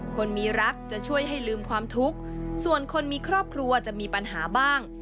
คนมีรักจะช่วยให้ลืมความทุกข์ส่วนคนมีครอบครัวจะมีปัญหาบ้าง